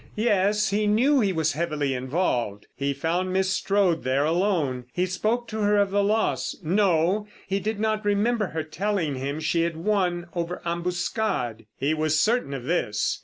Yes, he knew he was heavily involved. He found Miss Strode there alone; he spoke to her of the loss. No, he did not remember her telling him she had won over "Ambuscade." He was certain of this.